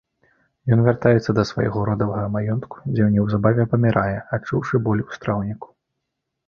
Ён вяртаецца да свайго родавага маёнтку, дзе неўзабаве памірае, адчуўшы боль у страўніку.